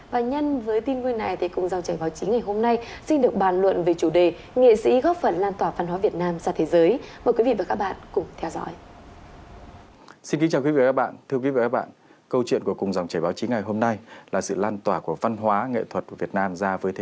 và nhân với tin vui này thì cùng dòng trải báo chính ngày hôm nay xin được bàn luận về chủ đề